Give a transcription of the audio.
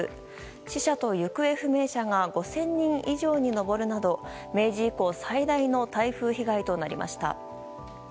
死者と行方不明者が５０００人以上に上るなど明治以降最大の台風被害となりました。